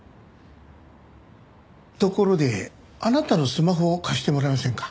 ところであなたのスマホを貸してもらえませんか？